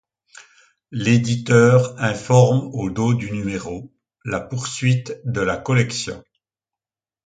L'éditeur informe au dos du numéro la poursuite de la collection.